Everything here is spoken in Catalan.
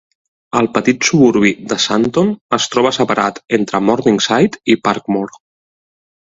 El petit suburbi de Sandton es troba separat entre Morningside i Parkmore.